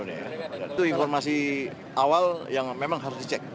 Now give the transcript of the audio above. itu informasi awal yang memang harus dicek